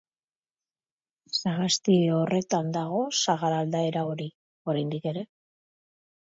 Sagasti horretan dago sagar aldaera hori, oraindik ere.